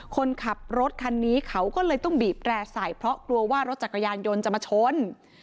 คนขับรถคันนี้เขาก็เลยต้องบีบแร่ใส่เพราะกลัวว่ารถจักรยานยนต์จะมาชน